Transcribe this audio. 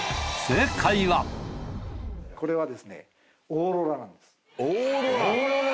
これはですね。